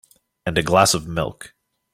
And a glass of milk.